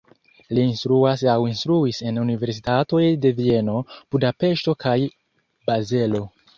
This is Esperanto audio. Li instruas aŭ instruis en universitatoj de Vieno, Budapeŝto kaj Bazelo.